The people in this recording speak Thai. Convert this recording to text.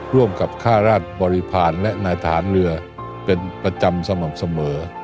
ร่วมกับค่าราชบริพาณและนายทหารเรือเป็นประจำสม่ำเสมอ